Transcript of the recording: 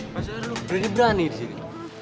masa lu berani berani disini